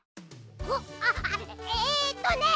おっあっあっえっとね